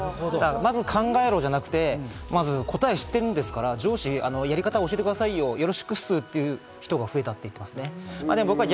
まず考えろじゃなくて、答えを知ってるんですから、上司にやり方を教えてくださいよ、よろしくっすっていう人が増えたということですね。